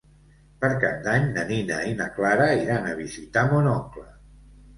Per Cap d'Any na Nina i na Clara iran a visitar mon oncle.